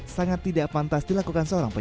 sangat tidak pantas dilakukan seolah olah